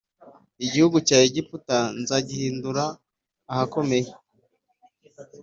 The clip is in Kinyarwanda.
Igihugu cya Egiputa nzagihindura ahakomeye